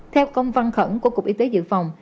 theo công văn khẩn của cục y tế dự phòng